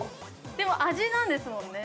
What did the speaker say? ◆でも味なんですもんね。